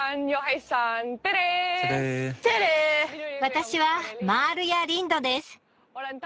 私はマールヤ・リンドです！